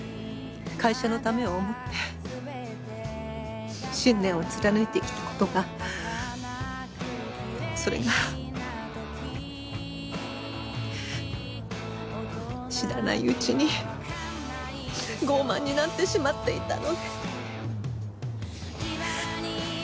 会社のためを思って信念を貫いてきた事がそれが知らないうちに傲慢になってしまっていたのね。